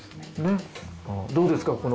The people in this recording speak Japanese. どうですか？